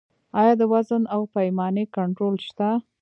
آیا د وزن او پیمانې کنټرول شته؟